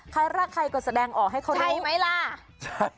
ใครรักใครก็แสดงออกให้เข้าใจไหมล่ะใช่